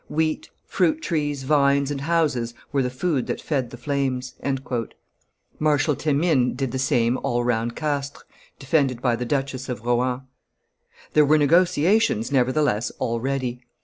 Wheat, fruit trees, vines, and houses were the food that fed the flames." Marshal Themine did the same all round Castres, defended by the Duchess of Rohan. There were negotiations, nevertheless, already.